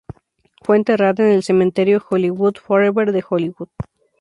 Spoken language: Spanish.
Fue enterrada en el Cementerio Hollywood Forever de Hollywood.